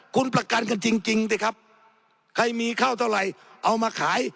คุณประกันกันจริงสิครับใครมีข้าวเท่าไหร่เอามาขาย